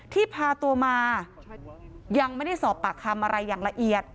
ที่พาตัวมายังไม่ได้สอบปากคำอะไรอย่างละเอียด